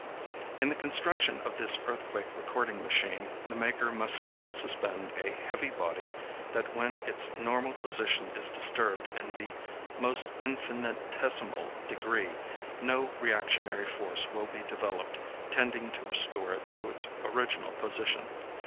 In the construction of this earthquake recording machine the maker must so suspend a heavy body that when its normal position is disturbed in the most infinitesimal degree no reactionary force will be developed tending to restore it to its original position.